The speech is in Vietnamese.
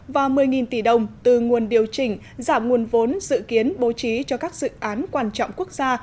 và một mươi tỷ đồng từ nguồn điều chỉnh giảm nguồn vốn dự kiến bố trí cho các dự án quan trọng quốc gia